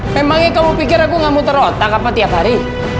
memangnya kamu pikir aku gak muter otak apa tiap hari